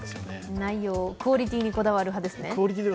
内容、クオリティーにこだわる派ですね。